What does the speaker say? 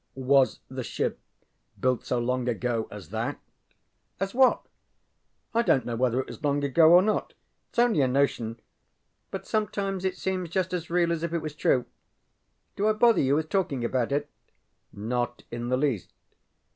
ŌĆØ ŌĆ£Was the ship built so long ago as that? ŌĆØ ŌĆ£As what? I donŌĆÖt know whether it was long ago or not. ItŌĆÖs only a notion, but sometimes it seems just as real as if it was true. Do I bother you with talking about it? ŌĆØ ŌĆ£Not in the least.